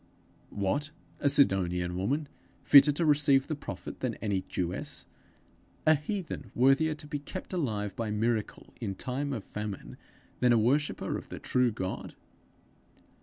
What! a Sidonian woman fitter to receive the prophet than any Jewess! a heathen worthier to be kept alive by miracle in time of famine, than a worshipper of the true God!